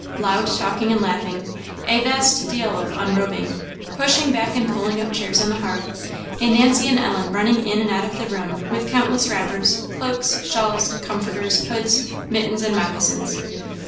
Loud talking and laughing a vast deal of unrobing pushing back and pulling up chairs on the hearth and Nancy and Ellen running in and out of the room with countless wrappers, cloaks, shawls, comforters, hoods, mittens, and moccasins.